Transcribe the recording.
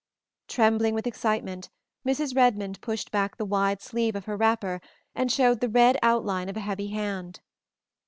Trembling with excitement, Mrs. Redmond pushed back the wide sleeve of her wrapper and showed the red outline of a heavy hand.